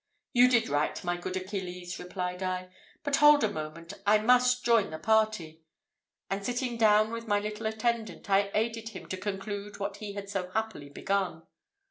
"You did right, my good Achilles," replied I; "but hold a moment, I must join the party;" and sitting down with my little attendant, I aided him to conclude what he had so happily begun.